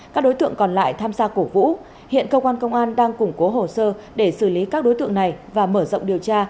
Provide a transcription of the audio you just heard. các đối tượng còn lại tham gia cổ vũ hiện cơ quan công an đang củng cố hồ sơ để xử lý các đối tượng này và mở rộng điều tra